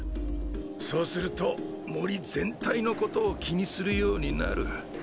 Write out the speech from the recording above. そうすると森全体のことを気にするようになる。